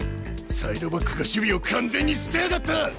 サイドバックが守備を完全に捨てやがった！